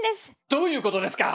どういうことですか